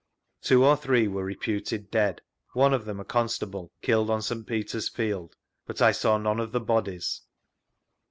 Two or three werte reputed dead; one of them a constable, killed on St. Peter's field, but I saw none of the bodies.